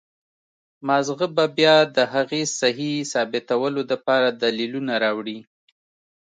مازغه به بيا د هغې سهي ثابتولو د پاره دليلونه راوړي